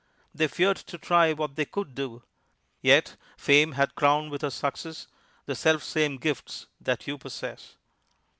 They feared to try what they could do; Yet Fame hath crowned with her success The selfsame gifts that you possess.